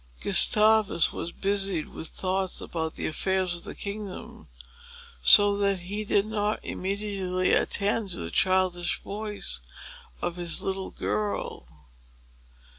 Gustavus was busied with thoughts about the affairs of the kingdom, so that he did not immediately attend to the childish voice of his little girl.